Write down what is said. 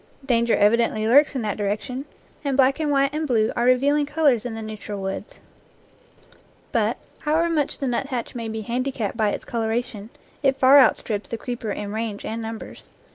Danger evidently lurks in that direction, and black and 50 NEW GLEANINGS IN OLD FIELDS white and blue are revealing colors in the neutral woods. But, however much the nuthatch may be handicapped by its coloration, it far outstrips the creeper in range and numbers.